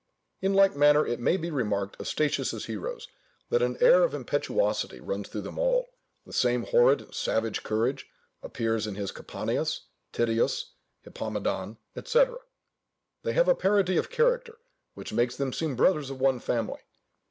In like manner it may be remarked of Statius's heroes, that an air of impetuosity runs through them all; the same horrid and savage courage appears in his Capaneus, Tydeus, Hippomedon, &c. They have a parity of character, which makes them seem brothers of one family.